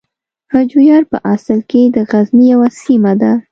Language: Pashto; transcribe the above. هجویر په اصل کې د غزني یوه سیمه ده.